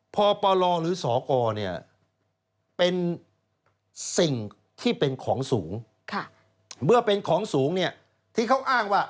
พอปลอหรือศอกอเป็นสิ่งที่เป็นของสูงเมื่อเป็นของสูงที่เขาอ้างว่า